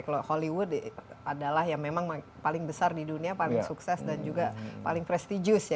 kalau hollywood adalah yang memang paling besar di dunia paling sukses dan juga paling prestidus ya